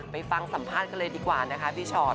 ไปฟังสัมภาษณ์กันเลยดีกว่าพี่ชอร์ด